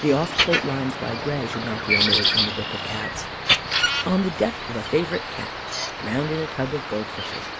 The oft quoted lines by Gray should not be omitted from The Book of Cats: "ON THE DEATH OF A FAVOURITE CAT, "Drowned in a Tub of Gold Fishes.